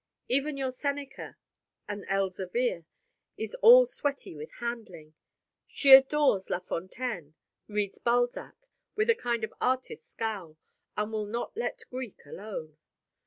Even your Seneca an Elzevir is all sweaty with handling. She adores La Fontaine, reads Balzac with a kind of artist scowl, and will not let Greek alone.